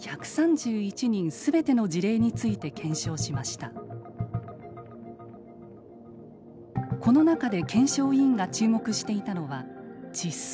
ＣＤＲではこの中で検証委員が注目していたのは窒息。